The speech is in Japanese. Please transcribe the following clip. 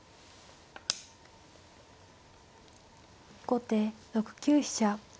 後手６九飛車。